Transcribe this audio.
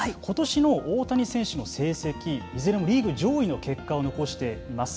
ことしの大谷選手の成績いずれもリーグ上位の結果を残しています。